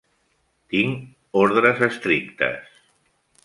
Tinc ordres estrictes.